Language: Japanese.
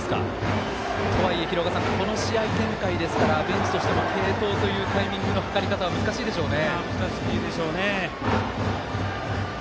とはいえこの試合展開ですからベンチとしても継投というタイミングのはかり方は難しいでしょうね。